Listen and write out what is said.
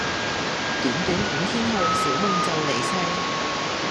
短短五天後小夢就離世